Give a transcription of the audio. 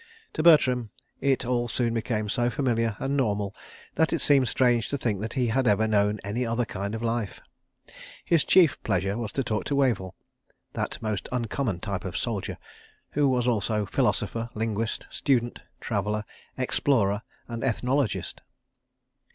To Bertram it all soon became so familiar and normal that it seemed strange to think that he had ever known any other kind of life. His chief pleasure was to talk to Wavell, that most uncommon type of soldier, who was also philosopher, linguist, student, traveller, explorer and ethnologist.